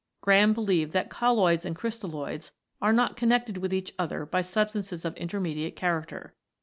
Graham believed that colloids and crystalloids are not connected with each other by substances of intermediate character.